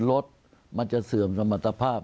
รถมันจะเสื่อมสมรรถภาพ